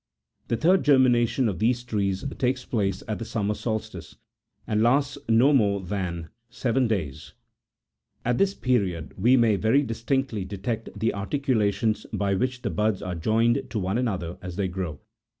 89 The third germination of these trees takes place at the summer solstice, and lasts no more than seven days : at this period we may very distinctly detect the articulations by which the buds are joined to one another as they grow.